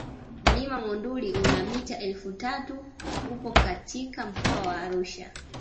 Mlima Monduli una mita elfu tatu upo katika mkoa wa Arusha